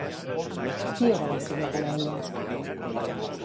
Qui era la seva parella?